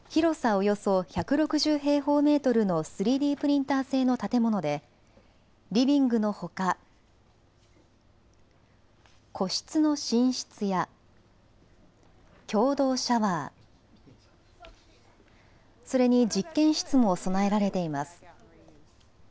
およそ１６０平方メートルの３Ｄプリンター製の建物でリビングのほか個室の寝室や共同シャワー、それに実験室も備えられています。